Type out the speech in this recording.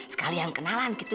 sekalian kenalan gitu